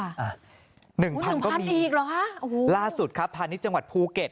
อ่ะหนึ่งพันก็มีอีกเหรอฮะโอ้โหล่าสุดครับพาณิชย์จังหวัดภูเก็ต